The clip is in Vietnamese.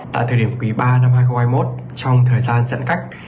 tại thời điểm quý ba năm hai nghìn hai mươi một trong thời gian giãn cách